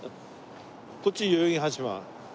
こっち代々木八幡？